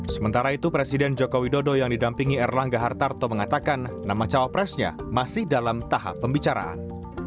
sementara itu presiden joko widodo yang didampingi erlangga hartarto mengatakan nama cawapresnya masih dalam tahap pembicaraan